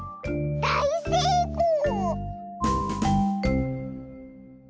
だいせいこう！